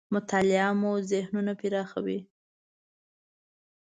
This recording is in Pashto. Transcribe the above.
مطالعه مو ذهنونه پراخوي .